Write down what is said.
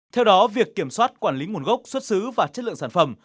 theo đó việc kiểm soát quản lý nguồn gốc xuất xứ và chất lượng sản phẩm